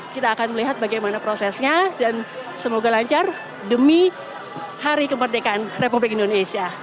kita akan melihat bagaimana prosesnya dan semoga lancar demi hari kemerdekaan republik indonesia